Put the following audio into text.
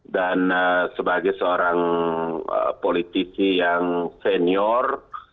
dan sebagai seorang politisi yang senior